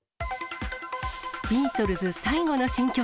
ビートルズ最後の新曲。